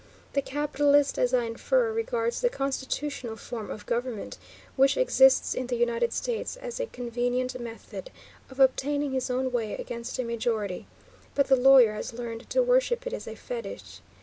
The capitalist, as I infer, regards the constitutional form of government which exists in the United States, as a convenient method of obtaining his own way against a majority, but the lawyer has learned to worship it as a fetich.